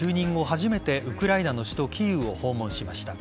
初めてウクライナの首都・キーウを訪問しました。